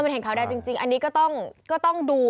มันเห็นขาวแดงจริงอันนี้ก็ต้องดู